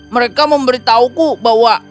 mereka memberitahuku bahwa